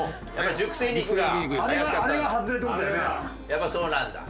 やっぱそうなんだ。